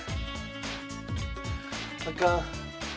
あかん。